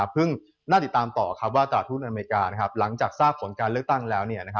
น่าติดตามต่อว่าตลาดทุนอเมริกาหลังจากทราบผลการเลือกตั้งแล้ว